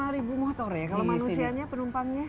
dua puluh lima ribu motor ya kalau manusianya penumpangnya